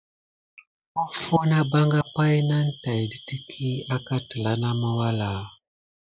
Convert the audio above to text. Offo nà ɓanga pay nane tät ɗiti ki àkà telà na mawuala adef.